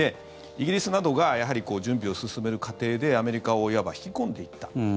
イギリスなどが準備を進める過程でアメリカをいわば引き込んでいった。